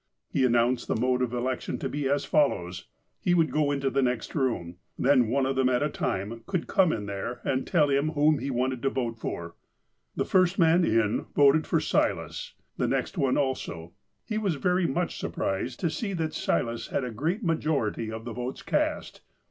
He announced the mode of election to be as follows : He would go into the next room. Then, one of them at a time could come in there, and tell him whom he wanted to vote for. The first man in voted for Silas. The next one also. He was very much surprised to see that Silas had a great majority of the votes cast.